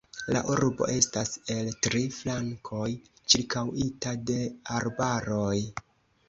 La urbo estas el tri flankoj ĉirkaŭita de arbaroj.